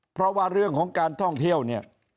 เพราะว่าเรื่องของการท่องเที่ยวเนี่ย